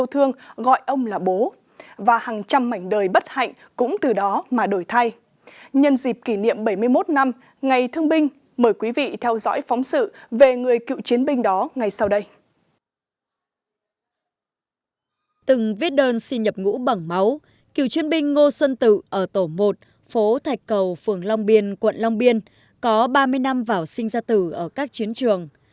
từng viết đơn xin nhập ngũ bằng máu cựu chuyên binh ngô xuân tử ở tổ một phố thạch cầu phường long biên quận long biên có ba mươi năm vào sinh ra tử ở các chiến trường